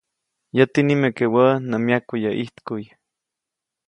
Yäti nimeke wä nä myaku yäʼ ʼijtkuʼy.